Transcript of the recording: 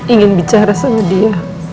ingin bicara sama dia